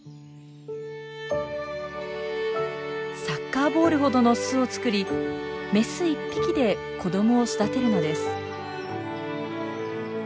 サッカーボールほどの巣を作りメス１匹で子どもを育てるのです。